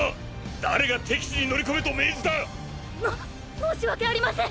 誰が敵地に乗り込めと命じた！！も申し訳ありません！